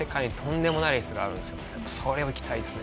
それを行きたいですね。